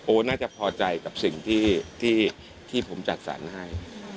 น่าจะพอใจกับสิ่งที่ผมจัดสรรให้